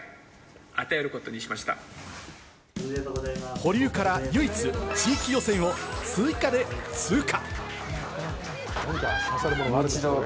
保留から唯一、地域予選を追加で通過。